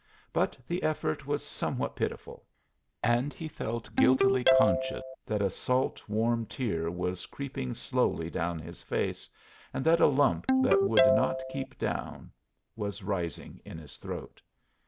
But the effort was somewhat pitiful, and he felt guiltily conscious that a salt, warm tear was creeping slowly down his face, and that a lump that would not keep down was rising in his throat.